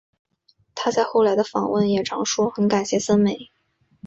她在后来的访问也常说很感谢森美。